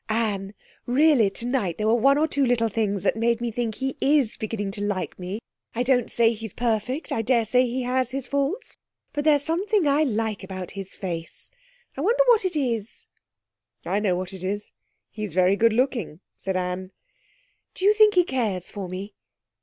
'Anne, really tonight there were one or two little things that made me think he is beginning to like me. I don't say he's perfect; I daresay he has his faults. But there's something I like about his face. I wonder what it is.' 'I know what it is, he's very good looking,' said Anne. 'Do you think he cares for me?'